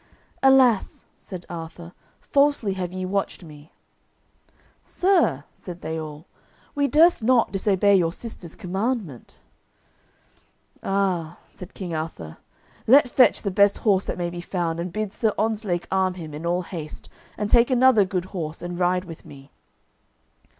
"Alas," said Arthur, "falsely have ye watched me." "Sir," said they all, "we durst not disobey your sister's commandment." "Ah," said the King, "let fetch the best horse that may be found, and bid Sir Ontzlake arm him in all haste, and take another good horse and ride with me."